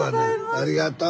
ありがとう。